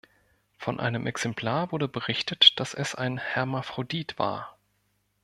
Von einem Exemplar wurde berichtet, dass es ein Hermaphrodit war.